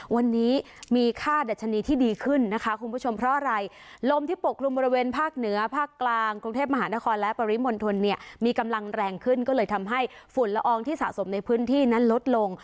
วันนี้มีค่าดัชนีที่ดีขึ้นนะคะคุณผู้ชมเพราะอะไรลมที่ปกคลุมบริเวณภาคเหนือภาคกลางกรุงเทพมหานครและปริมณฑลเนี่ยมีกำลังแรงขึ้นก็เลยทำให้ฝุ่นละอองที่สะสมในพื้นที่นั้นลดลง